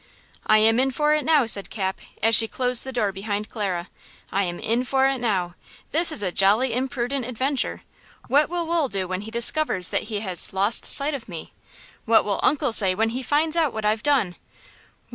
"I am in for it now!" said Cap, as she closed the door behind Clara; "I am in for it now! This is a jolly imprudent adventure! What will Wool do when he discovers that he has 'lost sight' of me? What will uncle say when he finds out what I've done?